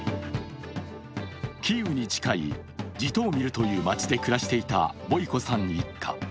キーウに近いジトーミルという街で暮らしていたボイコさん一家。